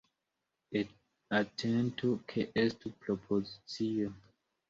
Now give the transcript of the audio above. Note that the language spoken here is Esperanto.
Atentu ke estu propozicio.